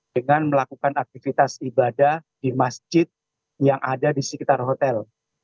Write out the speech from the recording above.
dengan melakukan aktivitas ibadah di masjid yang ada di sekitar hotel